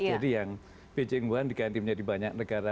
jadi yang beijing wuhan diganti menjadi banyak negara